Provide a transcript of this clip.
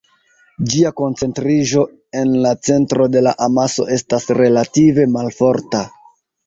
Ĝia koncentriĝo en la centro de la amaso estas relative malforta.